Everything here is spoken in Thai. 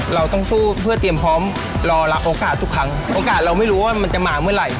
เราต้องสู้เพื่อเตรียมพร้อมรอรับโอกาสทุกครั้งโอกาสเราไม่รู้ว่ามันจะมาเมื่อไหร่